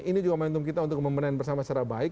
ini juga momentum kita untuk membenahi bersama secara baik